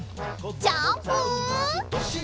ジャンプ！